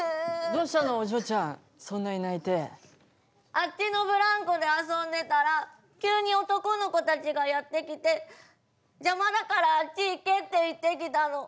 あっちのブランコで遊んでたら急に男の子たちがやって来て「邪魔だからあっち行け」って言ってきたの。